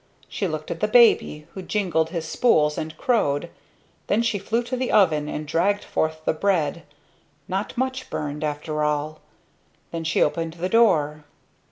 She looked at the baby who jiggled his spools and crowed. Then she flew to the oven and dragged forth the bread, not much burned after all. Then she opened the door.